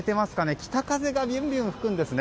北風がびゅんびゅん吹くんですね。